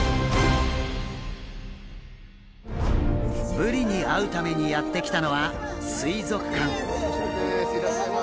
ブリに会うためにやって来たのは水族館。